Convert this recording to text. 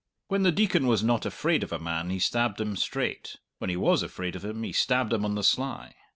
When the Deacon was not afraid of a man he stabbed him straight; when he was afraid of him he stabbed him on the sly.